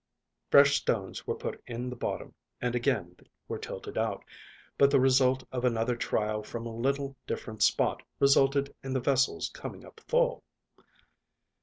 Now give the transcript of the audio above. Fresh stones were put in the bottom, and again were tilted out, but the result of another trial from a little different spot resulted in the vessel's coming up full.